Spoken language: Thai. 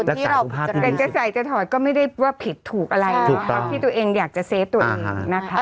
ที่เราเป็นจะใส่จะถอดก็ไม่ได้ว่าผิดถูกอะไรเนาะที่ตัวเองอยากจะเซฟตัวเองนะคะ